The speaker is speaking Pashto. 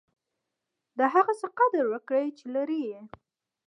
د هغه څه قدر وکړئ، چي لرى يې.